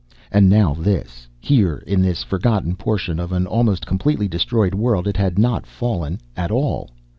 And now this. Here in this forgotten portion of an almost completely destroyed world it had not fallen at all.